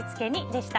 でした。